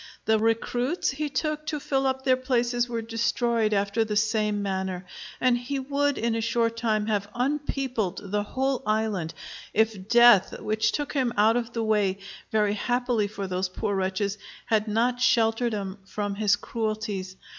The recruits he took to fill up their places were destroyed after the same manner; and he would in a short time have unpeopled the whole island if death, which took him out of the way, very happily for those poor wretches, had not sheltered 'em from his cruelties.